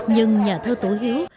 nhưng nhà thơ tố hữu